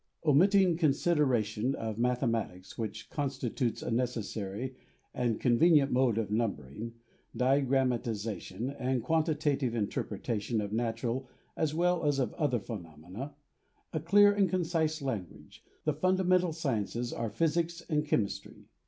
Omitting consideration of mathematics, which constitutes a necessary, and convenient mode of numbering, diagrammatization and quantitative interpreta tion of natural as well as of other phenomena — a clear and concise language — the fundamental sciences are physics and chemistry.